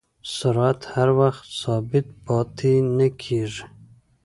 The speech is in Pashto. سرعت هر وخت ثابت پاتې نه کېږي.